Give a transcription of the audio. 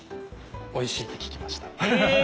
おいしいって聞きました。